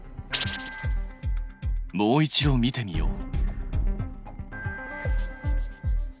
もう一度見てみよう。